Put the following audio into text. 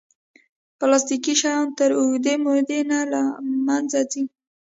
پلاستيکي شیان تر اوږدې مودې نه له منځه ځي.